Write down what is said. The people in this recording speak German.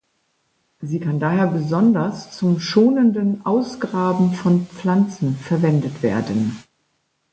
Sie kann daher besonders zum schonenden Ausgraben von Pflanzen verwendet werden.